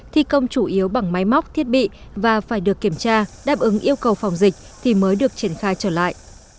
thi công chủ yếu bằng máy móc thiết bị và phải được kiểm tra đáp ứng yêu cầu phòng dịch thì mới được triển khai trở lại